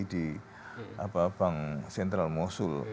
di bank sentral mosul